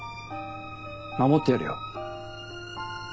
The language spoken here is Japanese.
守ってやるよ。